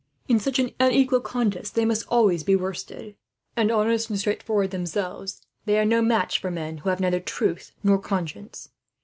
"In such an unequal contest they must always be worsted and, honest and straightforward themselves, they are no match for men who have neither truth nor conscience.